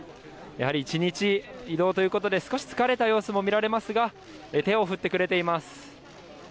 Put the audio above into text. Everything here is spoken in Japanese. やはり１日移動ということで少し疲れた様子も見られますが手を振ってくれています。